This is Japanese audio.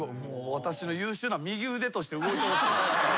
私の優秀な右腕として動いてほしいです。